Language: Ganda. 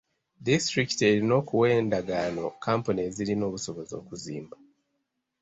Disitulikiti erina okuwa endagaano kkampuni ezirina obusobozi okuzimba.